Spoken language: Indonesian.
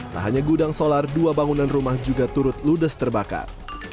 tak hanya gudang solar dua bangunan rumah juga turut ludes terbakar